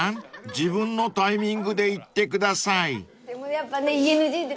自分のタイミングでいってください］